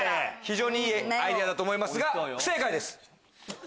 非常にいいアイデアと思いますが不正解です。